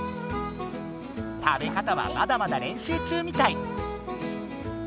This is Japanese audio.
食べ方はまだまだれんしゅう中みたい。